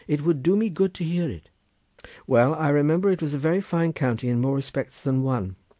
It would do me good to hear it." "Well, I remember it was a very fine county in more respects than one.